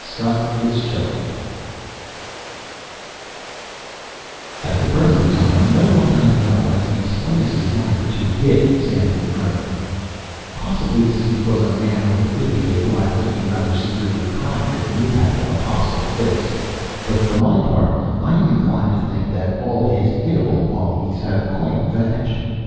The Four Fists At the present time no one I know has the slightest desire to hit Samuel Meredith; possibly this is because a man over fifty is liable to be rather severely cracked at the impact of a hostile fist, but, for my part, I am inclined to think that all his hitable qualities have quite vanished.